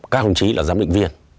các hôn trí là giám định viên